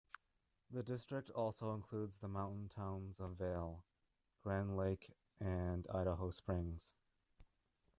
The district also includes the mountain towns of Vail, Grand Lake and Idaho Springs.